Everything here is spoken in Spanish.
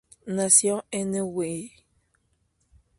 Nació en Neuwied.